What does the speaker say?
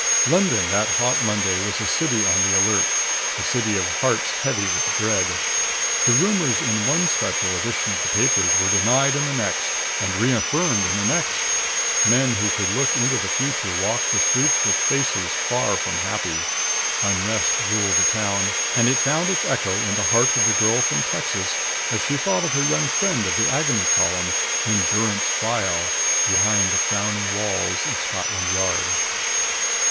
London that hot Monday was a city on the alert, a city of hearts heavy with dread. The rumors in one special edition of the papers were denied in the next and reaffirmed in the next. Men who could look into the future walked the streets with faces far from happy. Unrest ruled the town. And it found its echo in the heart of the girl from Texas as she thought of her young friend of the Agony Column "in durance vile" behind the frowning walls of Scotland Yard.